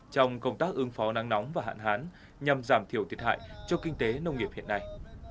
trong công tác ứng phó nắng nóng và hạn hán nhằm giảm thiểu thiệt hại cho kinh tế nông nghiệp hiện nay